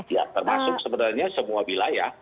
ya termasuk sebenarnya semua wilayah